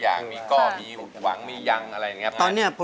การแสดงผู้เป็นผู้เป็นผู้ีกลุ่มแถบตัวข้างแก็ได้